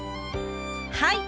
はい！